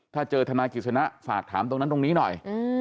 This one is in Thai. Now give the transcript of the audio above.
ถ้าเจอธนายกิจสนะฝากถามตรงนั้นตรงนี้หน่อย